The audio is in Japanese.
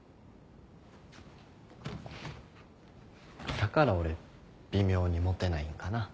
だから俺微妙にモテないんかな？